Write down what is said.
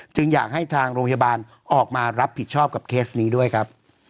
อยากให้ทางโรงพยาบาลออกมารับผิดชอบกับเคสนี้ด้วยครับ